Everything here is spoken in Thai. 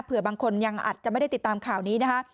บางคนยังอาจจะไม่ได้ติดตามข่าวนี้นะคะ